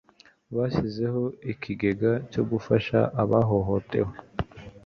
Bashyizeho ikigega cyo gufasha abahohotewe.